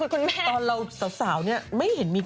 คุณแม่ตอนเราสาวเนี่ย